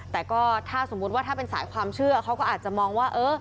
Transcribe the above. แต่ก็ถ้าสมมุติว่าถ้าเป็นสายความเชื่อเขาก็อาจจะมองว่า